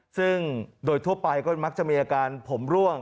ซึ่งโดยทั่วไปก็มักจะมีอาการผมร่วง